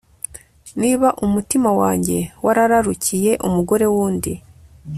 niba umutima wanjye warararukiye umugore w'undi